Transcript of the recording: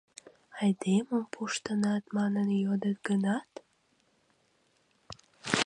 «Айдемым пуштынат манын йодыт гынат?»